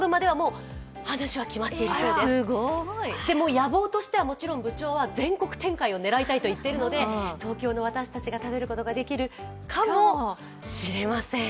野望としてはもちろん部長は全国展開を狙いたいと言っているので東京の私たちが食べることができるかもしれません。